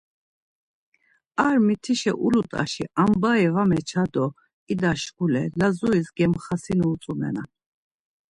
Ar mitişa ulut̆aşi ambai var meça do ida şkule Lazuris gemxasinu utzumenan.